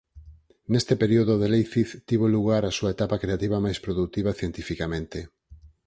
Neste período de Leipzig tivo lugar a súa etapa creativa máis produtiva cientificamente.